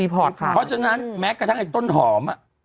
เพราะฉะนั้นแม้กระทั่งไอ้ต้นหอม